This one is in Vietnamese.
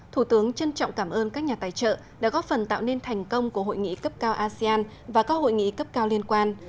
thủ tướng trân trọng cảm ơn các nhà tài trợ đã góp phần tạo nên thành công của hội nghị cấp cao asean và các hội nghị cấp cao liên quan